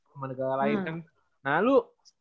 sama negara lain kan nah lo